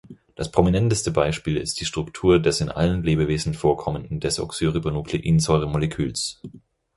Das prominenteste Beispiel ist die Struktur des in allen Lebewesen vorkommenden Desoxyribonukleinsäure-Moleküls.